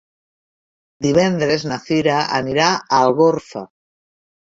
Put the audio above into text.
Divendres na Cira anirà a Algorfa.